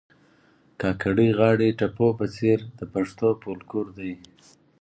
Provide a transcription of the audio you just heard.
کاکړۍ غاړي ټپو په څېر د پښتو فولکور دي